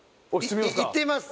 いってみます